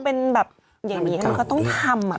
เป็นแบบอย่างนี้มันก็ต้องทำ